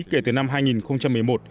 kể từ năm hai nghìn một mươi một